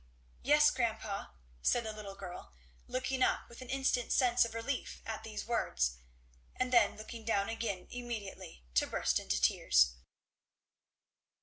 "Yes, grandpa!" said the little girl, looking up with an instant sense of relief at these words; and then looking down again immediately to burst into tears.